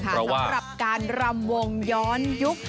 สำหรับการรำวงย้อนยุค